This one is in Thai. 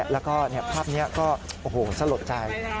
แล้วก็ภาพนี้ก็โอ้โหสลดใจ